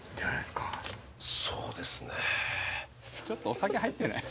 ちょっとお酒入ってない？